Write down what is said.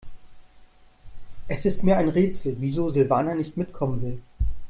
Es ist mir ein Rätsel, wieso Silvana nicht mitkommen will.